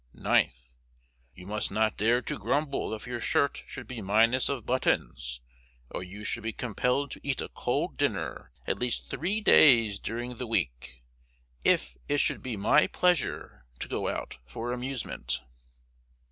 9th. You must not dare to grumble if your shirt should be minus of buttons, or you should be compelled to eat a cold dinner at least three days during the week, if it should be my pleasure to go out for amusement.